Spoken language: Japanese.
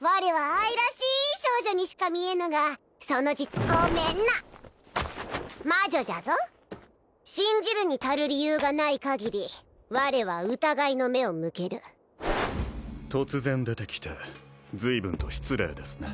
我は愛らしい少女にしか見えぬがその実高名な魔女じゃぞ信じるにたる理由がない限り我は疑いの目を向ける突然出てきて随分と失礼ですね